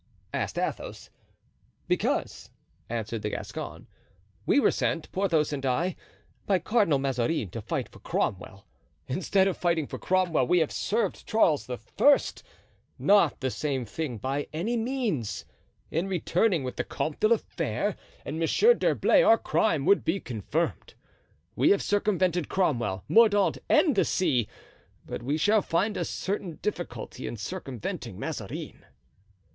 asked Athos. "Because," answered the Gascon, "we were sent, Porthos and I, by Cardinal Mazarin to fight for Cromwell; instead of fighting for Cromwell we have served Charles I.—not the same thing by any means. In returning with the Comte de la Fere and Monsieur d'Herblay our crime would be confirmed. We have circumvented Cromwell, Mordaunt, and the sea, but we shall find a certain difficulty in circumventing Mazarin."